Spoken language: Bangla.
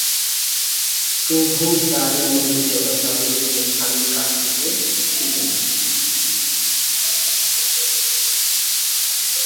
তবু তারই মধ্যে যতটা পেরেছেন স্বামীর কাছ থেকে শিখেছেন।